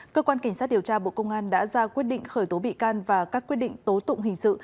cơ quan cảnh sát điều tra bộ công an đã ra quyết định khởi tố bị can và các quyết định tố tụng hình sự